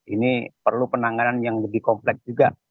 ini perlu penanganan yang lebih komplek juga